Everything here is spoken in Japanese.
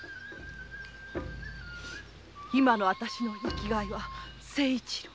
今の私の生きがいは清一郎。